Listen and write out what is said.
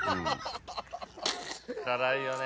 辛いよね。